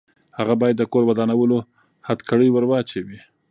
هغه باید د کور ودانولو هتکړۍ ورواچوي.